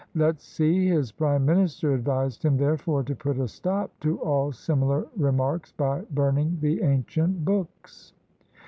Lesze, his prime minister, advised him, therefore, to put a stop to all similar re marks by burning the ancient books.